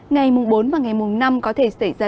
ngày mùng bốn và ngày mùng năm có thể xảy ra